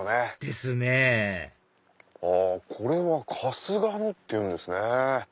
ですねあっこれは「春日野」っていうんですね。